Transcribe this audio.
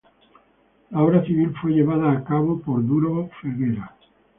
La obra civil fue llevada a cabo por Duro Felguera.